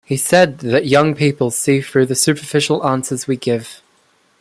He said that young people "see through the superficial answers we give".